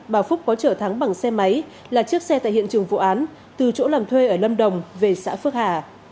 bà phúc có trở thắng bằng xe máy là chiếc xe tại hiện trường vụ án từ chỗ làm thuê ở lâm đồng về xã phước hà